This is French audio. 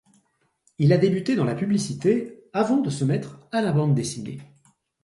Il a débuté dans la publicité avant de se mettre à la bande dessinée.